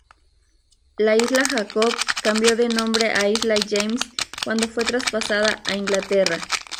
La Isla Jacob cambió de nombre a Isla James cuando fue traspasada a Inglaterra.